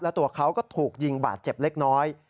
ตัวเขาก็ถูกยิงบาดเจ็บเล็กน้อย